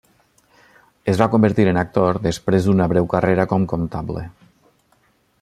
Es va convertir en actor després d'una breu carrera com comptable.